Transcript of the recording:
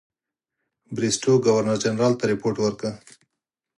بریسټو ګورنرجنرال ته رپوټ ورکړ.